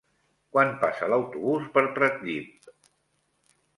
Quan passa l'autobús per Pratdip?